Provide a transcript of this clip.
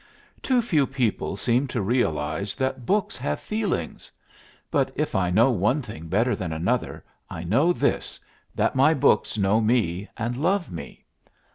Too few people seem to realize that books have feelings. But if I know one thing better than another I know this, that my books know me and love me.